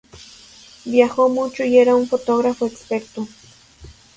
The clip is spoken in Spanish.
Viajó mucho y era un fotógrafo experto.